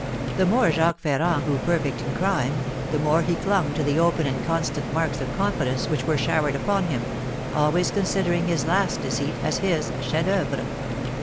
The more Jacques Ferrand grew perfect in crime, the more he clung to the open and constant marks of confidence which were showered upon him, always considering his last deceit as his chef d'oeuvre.